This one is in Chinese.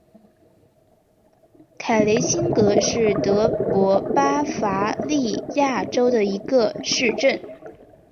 埃雷辛格是德国巴伐利亚州的一个市镇。